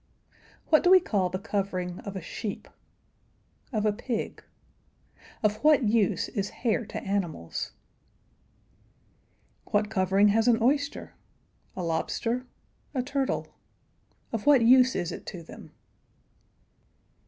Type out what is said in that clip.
What do we call the covering of a sheep? Of a pig? Of what use is hair to animals? What covering has an oyster? A lobster? A turtle? Of what use is it to them?